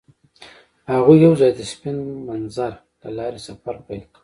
هغوی یوځای د سپین منظر له لارې سفر پیل کړ.